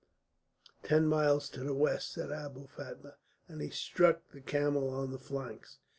"Ten miles to the west," said Abou Fatma, and he struck the camel on the flanks.